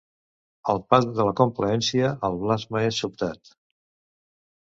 El pas de la complaença al blasme és sobtat.